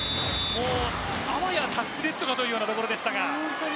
あわやタッチネットかというところでした。